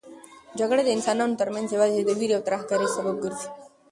جګړه د انسانانو ترمنځ یوازې د وېرې او ترهګرۍ سبب ګرځي.